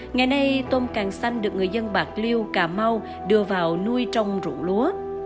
ngày nay tôm càng xanh được người dân bạc liêu cà mau đưa vào nuôi trong rụng lúa